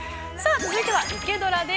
続いては「イケドラ」です。